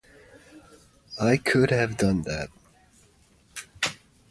I could have done that.